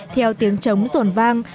theo tiếng trống rồn vang